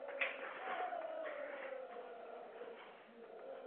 V areálu je jedenáct otevřených antukových dvorců a jeden dvorec s umělým povrchem.